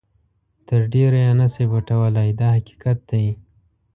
تر ډېره یې نه شئ پټولای دا حقیقت دی.